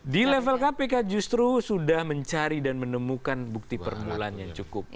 di level kpk justru sudah mencari dan menemukan bukti permulaan yang cukup